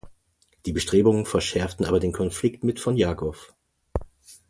Die Bestrebungen verschärften aber den Konflikt mit von Jagow.